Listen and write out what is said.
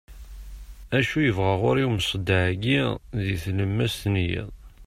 acu yebɣa ɣur-i umseḍḍeɛ-agi deg tlemmast n yiḍ